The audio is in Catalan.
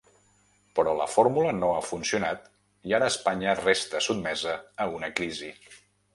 Però la fórmula no ha funcionat i ara Espanya resta sotmesa a una crisi.